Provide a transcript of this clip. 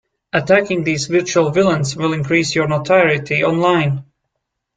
Attacking these virtual villains will increase your notoriety online.